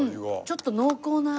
ちょっと濃厚な。